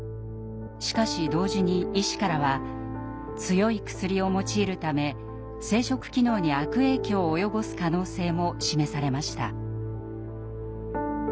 しかし同時に医師からは強い薬を用いるため生殖機能に悪影響を及ぼす可能性も示されました。